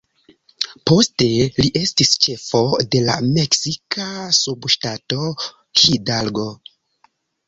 Poste li estis ĉefo de la meksika subŝtato Hidalgo.